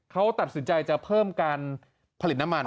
เขาตัดสินใจจะเพิ่มการผลิตน้ำมัน